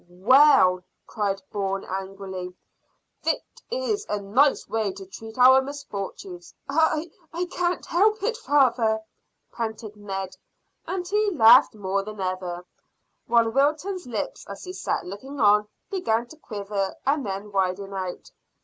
"Well," cried Bourne angrily, "this is a nice way to treat our misfortunes!" "I I I can't help it, father," panted Ned, and he laughed more than ever, while Wilton's lips as he sat looking on began to quiver and then widen out.